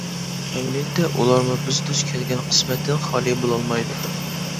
ئەمەلىيەتتە ئۇلارمۇ بىز دۇچ كەلگەن قىسمەتتىن خالىي بولالمايدۇ.